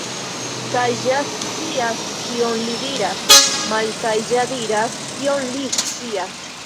Saĝa scias, kion li diras — malsaĝa diras, kion li scias.